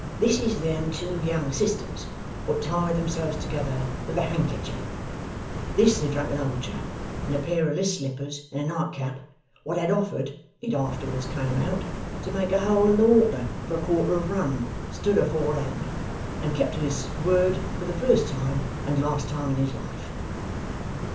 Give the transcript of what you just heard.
This is them two young sisters what tied themselves together with a handkecher. This the drunken old chap, in a pair of list slippers and a nightcap, wot had offered it afterwards come out to make a hole in the water for a quartern of rum stood aforehand, and kept to his word for the first and last time in his life.